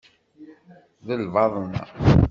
D lbaḍna.